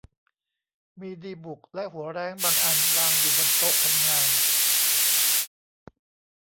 มีดีบุกและหัวแร้งบางอันวางอยู่บนโต๊ะทำงาน